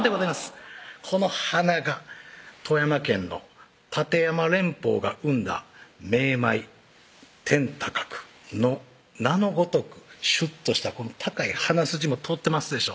この鼻が富山県の立山連峰が生んだ名米「てんたかく」の名のごとくしゅっとしたこの高い鼻筋も通ってますでしょ